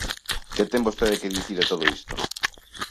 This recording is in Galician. ¿Que ten vostede que dicir de todo isto?